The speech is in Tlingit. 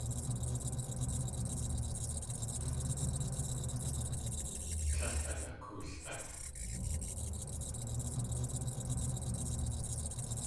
Tlél át akool.át.